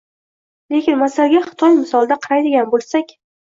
Lekin masalaga Xitoy misolida qaraydigan boʻlsak